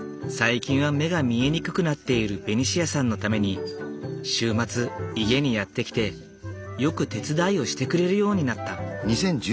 最近は目が見えにくくなっているベニシアさんのために週末家にやって来てよく手伝いをしてくれるようになった。